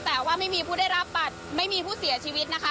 แต่ว่าไม่มีผู้ได้รับบัตรไม่มีผู้เสียชีวิตนะคะ